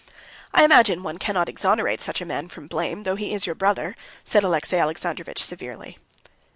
"I imagine one cannot exonerate such a man from blame, though he is your brother," said Alexey Alexandrovitch severely.